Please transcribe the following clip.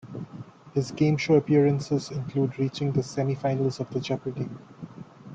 His game show appearances include reaching the semi-finals of the Jeopardy!